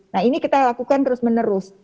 nah ini kita lakukan terus menerus